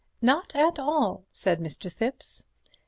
"Not at all," said Mr. Thipps.